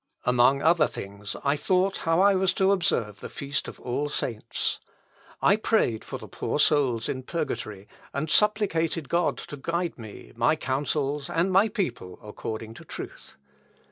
Among other things, I thought how I was to observe the feast of All Saints. I prayed for the poor souls in purgatory, and supplicated God to guide me, my counsels, and my people, according to truth.